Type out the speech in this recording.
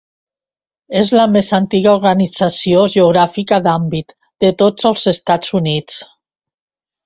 És la més antiga organització geogràfica d'àmbit de tots els Estats Units.